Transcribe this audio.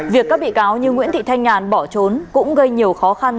việc các bị cáo như nguyễn thị thanh nhàn bỏ trốn cũng gây nhiều khó khăn